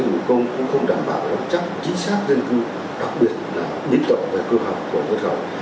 việc quản lý hủ công cũng không đảm bảo nó chắc chính xác dân cư đặc biệt là biến tập về cơ hội